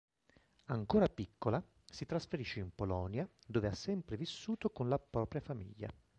Ancora piccola, si trasferisce in Polonia dove ha sempre vissuto con la propria famiglia.